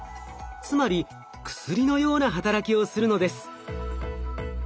つまり薬のような働きをするのです。